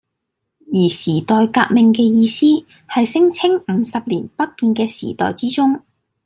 而「時代革命」嘅意思係聲稱五十年不變嘅時代之中